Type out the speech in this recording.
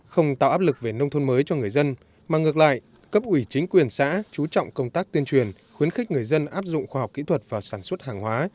không tạo áp lực về nông thôn mới cho người dân mà ngược lại cấp ủy chính quyền xã chú trọng công tác tuyên truyền khuyến khích người dân áp dụng khoa học kỹ thuật và sản xuất hàng hóa